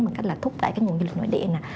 bằng cách là thúc đẩy các nguồn du lịch nội địa